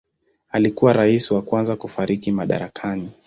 Alikuwa rais wa kwanza kufariki madarakani.